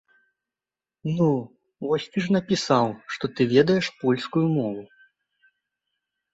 Ну, вось ты ж напісаў, што ты ведаеш польскую мову.